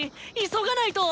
急がないと！